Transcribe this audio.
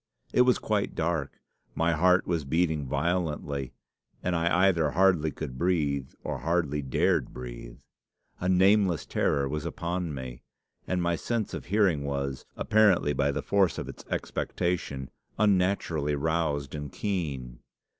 It was quite dark. My heart was beating violently, and I either hardly could or hardly dared breathe. A nameless terror was upon me, and my sense of hearing was, apparently by the force of its expectation, unnaturally roused and keen.